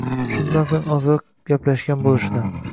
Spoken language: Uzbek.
Shundan so‘ng ozroq gaplashgan bo‘lishdi.